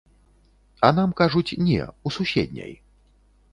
А нам кажуць, не, у суседняй.